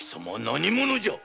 何者じゃ！？